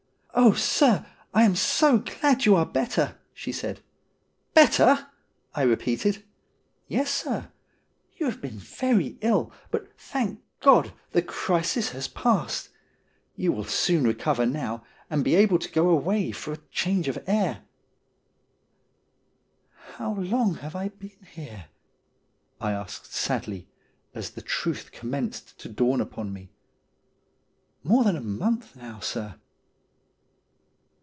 ' Oh, sir, I am so glad you are better,' she said. ' Better !' I repeated. ' Yes, sir. You have been very ill, but, thank God ! the crisis has passed. You will soon recover now, and be able to go away for change of air.' ' How long have I been here ?' I asked sadly, as the truth commenced to dawn upon me. ' More than a month now, sir.'